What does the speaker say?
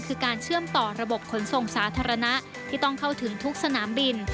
คือการเชื่อมต่อระบบขนส่งสาธารณะที่ต้องเข้าถึงทุกสนามบิน